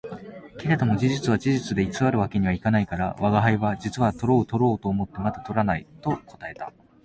けれども事実は事実で偽る訳には行かないから、吾輩は「実はとろうとろうと思ってまだ捕らない」と答えた